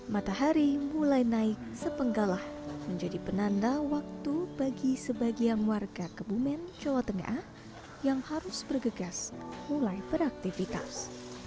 matahari mulai naik sepenggalah menjadi penanda waktu bagi sebagian warga kebumen jawa tengah yang harus bergegas mulai beraktivitas